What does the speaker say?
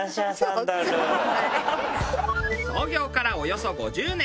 創業からおよそ５０年。